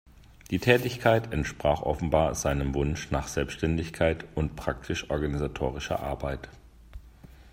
Die Tätigkeit entsprach offenbar seinem Wunsch nach Selbständigkeit und praktisch-organisatorischer Arbeit.